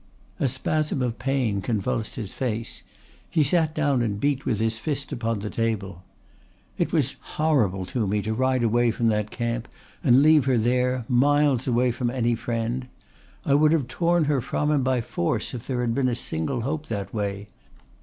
A spasm of pain convulsed his face. He sat down and beat with his fist upon the table. "It was horrible to me to ride away from that camp and leave her there miles away from any friend. I would have torn her from him by force if there had been a single hope that way.